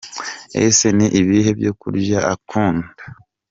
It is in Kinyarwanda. Ese ni ibihe byo kurya akunda?.